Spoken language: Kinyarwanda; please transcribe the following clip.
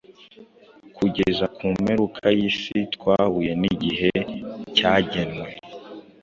Kugeza ku mperuka yisi Twahuye nigihe cyagenwe